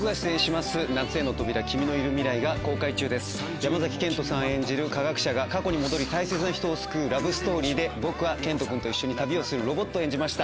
山賢人さん演じる科学者が過去に戻り大切な人を救うラブストーリーで僕は賢人君と一緒に旅をするロボットを演じました。